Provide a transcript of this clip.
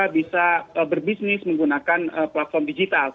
bisa berbisnis menggunakan platform digital